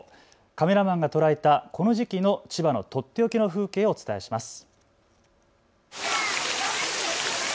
カメラマンが捉えたこの時期の千葉とっておきの風景をお伝えします。